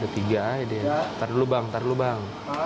taruh dulu bang